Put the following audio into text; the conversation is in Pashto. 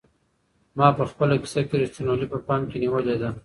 ما په خپله کيسه کې رښتینولي په پام کې نیولې ده.